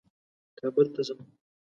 کابل ته ځم.